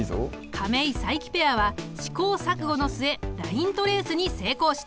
亀井・佐伯ペアは試行錯誤の末ライントレースに成功した。